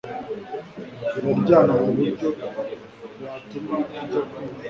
iraryana kuburyo yatuma ujya kwiba